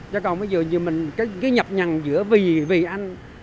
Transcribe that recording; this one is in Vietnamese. chứ còn bây giờ như mình cái nhập nhằn giữa vì anh